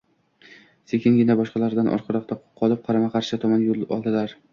Sekingina boshqalardan orqaroqda qolib, qarama-qarshi tomon yo`l oldilar